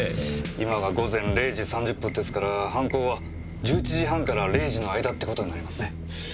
今が午前０時３０分ですから犯行は１１時半から０時の間って事になりますね。